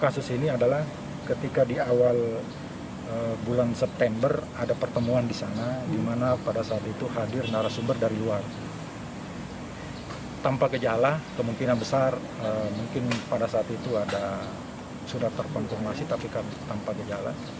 sudah terkonfirmasi tapi tanpa gejala